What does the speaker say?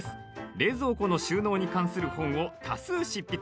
冷蔵庫の収納に関する本を多数、執筆。